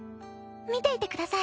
見ていてください。